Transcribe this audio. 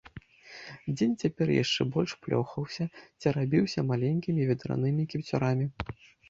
Дзень цяпер яшчэ больш плёхаўся, церабіўся маленькімі ветранымі кіпцюрамі.